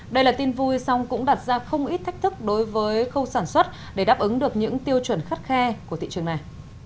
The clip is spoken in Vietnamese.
đây là tin vui song cũng đặt ra không ít thách thức đối với khâu sản xuất để đáp ứng được những tiêu chuẩn khắt khe của thị trường này